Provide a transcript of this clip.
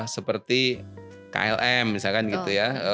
seperti klm misalkan gitu ya